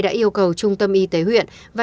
đã yêu cầu trung tâm y tế huyện và